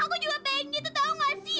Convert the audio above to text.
aku juga pengen gitu tau gak sih